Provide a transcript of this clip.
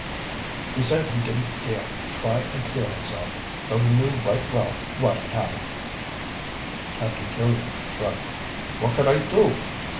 He said he didn't dare try and clear himself, though he knew right well what had happened." Captain Killian shrugged. "What could I do?